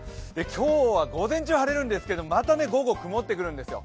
今日は午前中晴れるんですけれども、また午後曇ってくるんですよ。